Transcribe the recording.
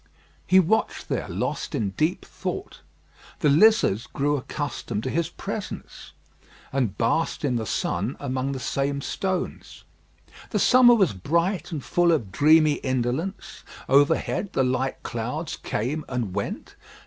He watched there, lost in deep thought. The lizards grew accustomed to his presence, and basked in the sun among the same stones. The summer was bright and full of dreamy indolence: overhead the light clouds came and went.